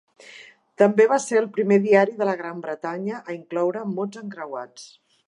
També va ser el primer diari de la Gran Bretanya a incloure mots encreuats.